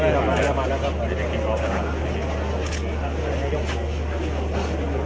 เมืองอัศวินธรรมดาคือสถานที่สุดท้ายของเมืองอัศวินธรรมดา